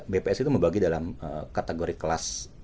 bps itu membagi dalam kategori kelas